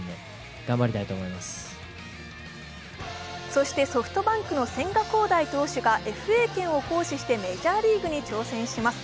そして、ソフトバンクの千賀滉大投手がＦＡ権を行使してメジャーリーグに挑戦します。